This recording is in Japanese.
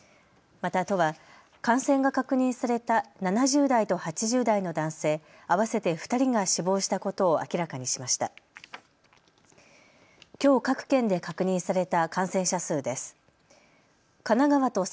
また都は感染が確認された７０代と８０代の男性、合わせて２人が死亡したことを明らかにしました。